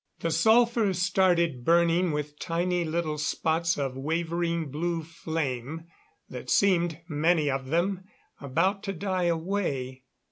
The sulphur started burning with tiny little spots of wavering blue flame that seemed, many of them, about to die away.